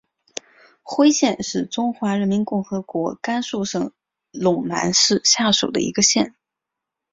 徽县是中华人民共和国甘肃省陇南市下属的一个县。